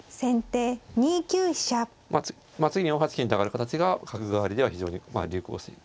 まあ次に４八金と上がる形が角換わりでは非常に流行し。